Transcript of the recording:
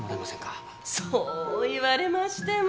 そう言われましても。